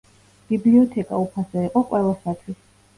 ბიბლიოთეკა უფასო იყო ყველასათვის.